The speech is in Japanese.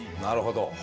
なるほど。